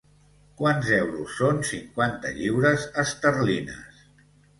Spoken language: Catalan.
Quants euros són cinquanta lliures esterlines?